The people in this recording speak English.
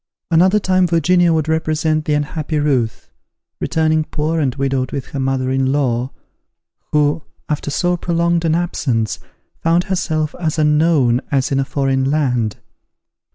Another time Virginia would represent the unhappy Ruth, returning poor and widowed with her mother in law, who, after so prolonged an absence, found herself as unknown as in a foreign land.